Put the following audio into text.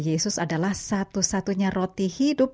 yesus adalah satu satunya roti hidup